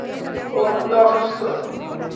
ওহ, আমি অসুস্থ!